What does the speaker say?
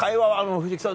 藤木さん